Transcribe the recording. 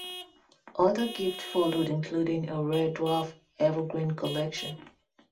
Other gifts followed including a rare dwarf evergreen collection.